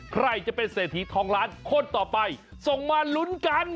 ใครจะเป็นเศรษฐีทองล้านคนต่อไปส่งมาลุ้นกัน